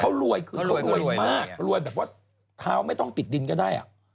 เขารวยมากแบบว่าเท้าไม่ต้องติดดินก็ได้